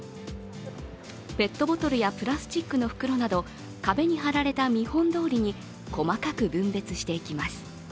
ペットボトルやプラスチックの袋など、壁に貼られた見本通りに、細かく分別していきます。